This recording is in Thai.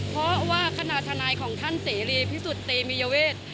เพราะว่าขณะทนายของท่านเสรีพิสุทธิ์เตมียเวท